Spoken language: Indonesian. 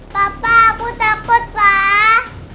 papa aku takut pak